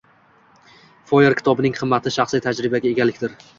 Foyer kitobining qimmati shaxsiy tajribaga egalikdir